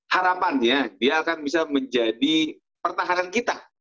harapannya dia akan bisa menjadi pertahanan kita